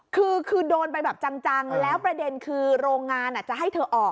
คือโดนไปแบบจังแล้วประเด็นคือโรงงานจะให้เธอออก